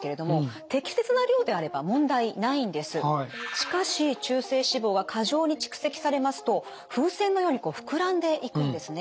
しかし中性脂肪は過剰に蓄積されますと風船のように膨らんでいくんですね。